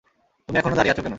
তুমি এখনও দাঁড়িয়ে আছ কেন?